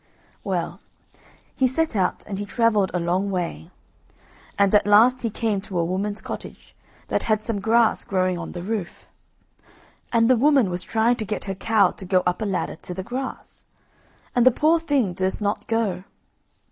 Well, he set out, and he travelled a long way, and at last he came to a woman's cottage that had some grass growing on the roof. And the woman was trying to get her cow to go up a ladder to the grass, and the poor thing durst not go.